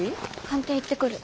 官邸行ってくる。